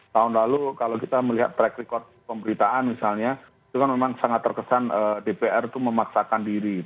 tahun lalu kalau kita melihat track record pemberitaan misalnya itu kan memang sangat terkesan dpr itu memaksakan diri